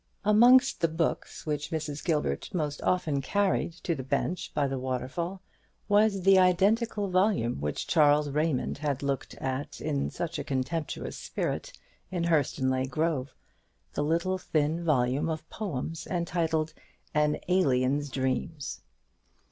Amongst the books which Mrs. Gilbert most often carried to the bench by the waterfall was the identical volume which Charles Raymond had looked at in such a contemptuous spirit in Hurstonleigh Grove the little thin volume of poems entitled "An Alien's Dreams."